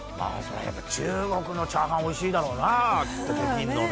中国のチャーハンはおいしいだろうな。